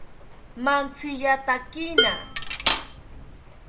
Mantziyatakina